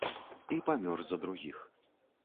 І памёр за другіх.